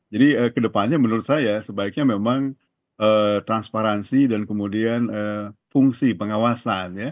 jadi kedepannya menurut saya sebaiknya memang transparansi dan kemudian fungsi pengawasan ya